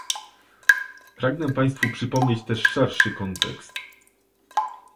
Pragnę Państwu przypomnieć też szerszy kontekst